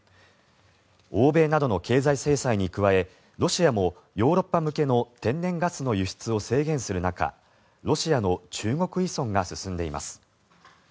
欧米などの経済制裁に加えロシアもヨーロッパ向けの天然ガスの輸出を制限する中ロシアの中国依存が進んでいます。